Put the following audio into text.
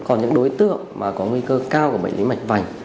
còn những đối tượng mà có nguy cơ cao của bệnh lý mạch vành